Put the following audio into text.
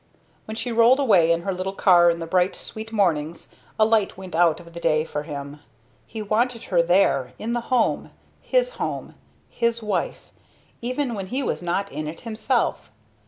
When she rolled away in her little car in the bright, sweet mornings, a light went out of the day for him. He wanted her there, in the home his home his wife even when he was not in it himself.